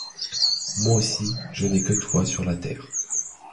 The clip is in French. Moi aussi je n’ai que toi sur la terre.